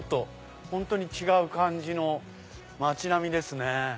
本当に違う感じの街並みですね。